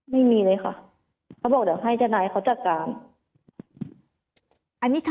ไม่มีเลยค่ะเขาบอกเดี๋ยวให้เจ้านายเขาจัดการ